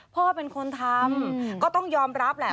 พ่อเป็นคนทำก็ต้องยอมรับแหละ